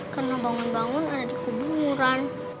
karena bangun bangun ada di kuburan